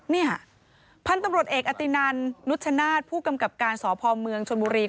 เนี่ยพันธุ์ตำรวจเอกอตินันนุชชนาธิ์ผู้กำกับการสพเมืองชนบุรี